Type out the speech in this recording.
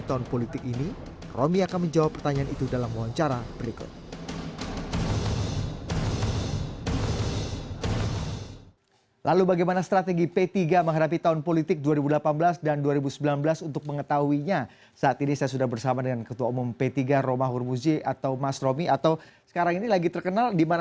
apakah p tiga yang dinakodai oleh rumah hormon